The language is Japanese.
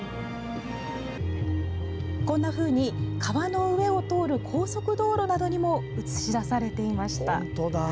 こんなふうに川の上を通る高速道路などにも映し出されていました。